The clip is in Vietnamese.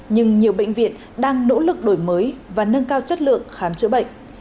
nhưng nhiều bệnh viện đang nỗ lực đổi mới và nâng cao chất lượng khám chữa bệnh